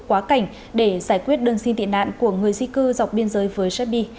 quá cảnh để giải quyết đơn xin tị nạn của người di cư dọc biên giới với serbi